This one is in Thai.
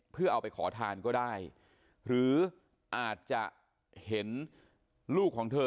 เพื่อเอาไปขอทานก็ได้หรืออาจจะเห็นลูกของเธอ